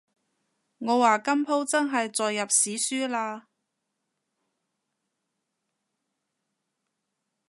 我話今舖真係載入史書喇